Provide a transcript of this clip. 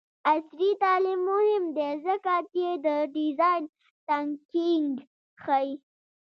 عصري تعلیم مهم دی ځکه چې د ډیزاین تنکینګ ښيي.